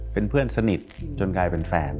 เป็นเพื่อนสนิทจนกลายเป็นแฟน